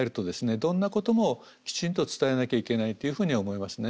どんなこともきちんと伝えなきゃいけないっていうふうに思いますね。